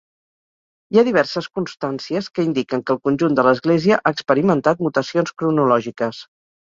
Hi ha diverses constàncies que indiquen que el conjunt de l'església ha experimentat mutacions cronològiques.